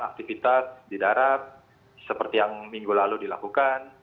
aktivitas di darat seperti yang minggu lalu dilakukan